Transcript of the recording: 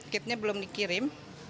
kitnya belum dikirim